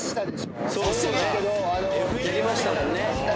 やりましたもんね。